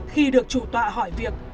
khi được chủ tọa hỏi việc